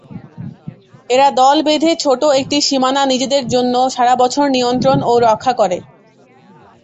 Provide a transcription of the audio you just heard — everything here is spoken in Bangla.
এরা দল বেঁধে ছোট একটি সীমানা নিজেদের জন্য সারাবছর নিয়ন্ত্রণ ও রক্ষা করে।